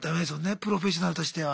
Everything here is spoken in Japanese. プロフェッショナルとしては。